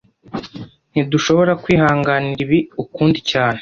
Ntidushobora kwihanganira ibi ukundi cyane